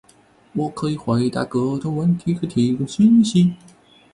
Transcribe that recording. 我可以回答各种问题和提供信息。